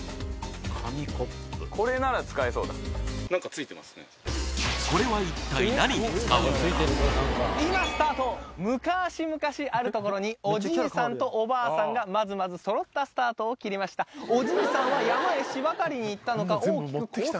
これなら使えそうだこれは今スタートむかーしむかしあるところにおじいさんとおばあさんがまずまず揃ったスタートを切りましたおじいさんは山へしば刈りに行ったのか大きくコース